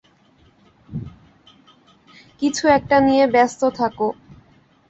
কিছু একটা নিয়ে ব্যস্ত থাক।